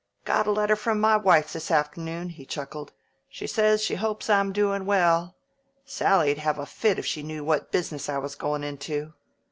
Got a letter from my wife this aft'noon," he chuckled. "She says she hopes I'm doin' well. Sally'd have a fit if she knew what business I was goin' into.